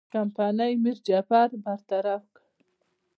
کمپنۍ میرجعفر برطرف کړ.